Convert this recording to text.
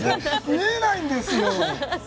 見えないんですよ。